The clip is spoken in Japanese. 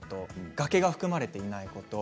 崖が含まれていないこと。